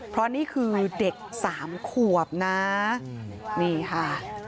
เพราะนี่คือเด็กสามขวบนะนี่ค่ะ